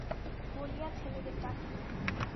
বলিয়া ছেলেদের ডাকিল।